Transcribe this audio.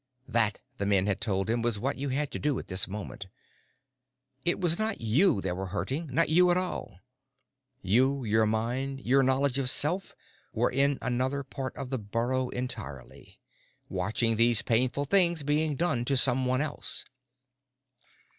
That, the men had told him, was what you had to do at this moment: it was not you they were hurting, not you at all. You, your mind, your knowledge of self, were in another part of the burrow entirely, watching these painful things being done to someone else.